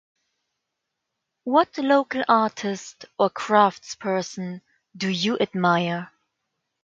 What local artist or craftsperson do you admire?